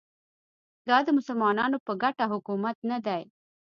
دا د مسلمانانو په ګټه حکومت نه دی